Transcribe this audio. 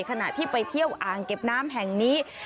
ขณะที่ไปเที่ยวอ่างเก็บน้ำแห่งนี้